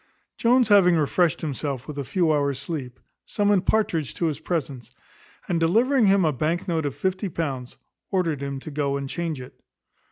Jones having refreshed himself with a few hours' sleep, summoned Partridge to his presence; and delivering him a bank note of fifty pounds, ordered him to go and change it.